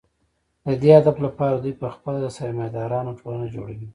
د دې هدف لپاره دوی په خپله د سرمایه دارانو ټولنه جوړوي